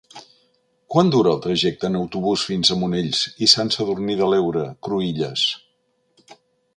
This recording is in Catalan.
Quant dura el trajecte en autobús fins a Monells i Sant Sadurní de l'Heura Cruïlles?